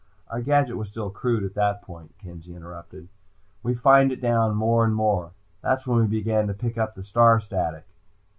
"Our gadget was still crude at that point," Kenzie interrupted. "We fined it down, more and more. That's when we began to pick up the star static."